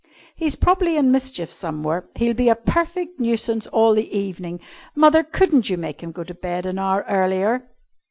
"He's probably in mischief somewhere. He'll be a perfect nuisance all the evening. Mother, couldn't you make him go to bed an hour earlier?"